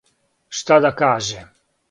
Шта да каже?